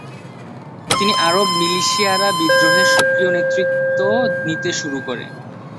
তিনি আরব মিলিশিয়ারা বিদ্রোহে সক্রিয় নেতৃত্ব নিতে শুরু করে।